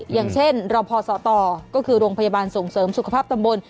อย่างเช่นรอพอสตก็คือโรงพยาบาลส่งเสริมสุขภาพตำบล